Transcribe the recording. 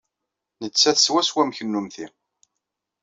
Nettat swaswa am kennemti.